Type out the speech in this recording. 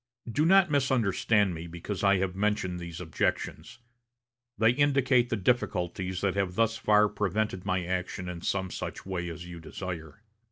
Do not misunderstand me because I have mentioned these objections. They indicate the difficulties that have thus far prevented my action in some such way as you desire.